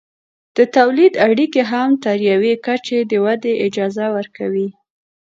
د تولید اړیکې هم تر یوې کچې د ودې اجازه ورکوي.